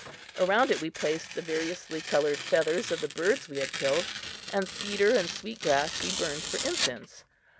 Around it we placed the variously colored feathers of the birds we had killed, and cedar and sweetgrass we burned for incense.